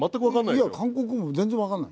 いや韓国語も全然わかんない。